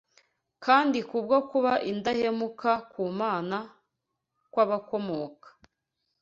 kandi kubwo kuba indahemuka ku Mana kw’abakomoka